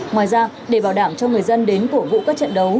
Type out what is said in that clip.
ngoài ra để bảo đảm cho người dân đến cổ vũ các trận đấu